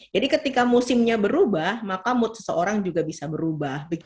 jadi ketika musimnya berubah maka mood seseorang juga bisa berubah